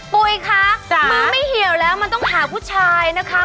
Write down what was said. ปุ๋ยคะมือไม่เหี่ยวแล้วมันต้องหาผู้ชายนะคะ